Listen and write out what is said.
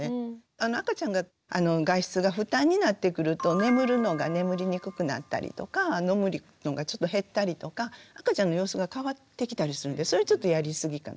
赤ちゃんが外出が負担になってくると眠るのが眠りにくくなったりとか飲むのがちょっと減ったりとか赤ちゃんの様子が変わってきたりするんでそれちょっとやりすぎかな。